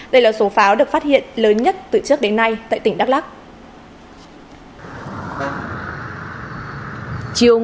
đây là số pháo được phát hiện lớn nhất từ trước đến nay tại tỉnh đắk lắc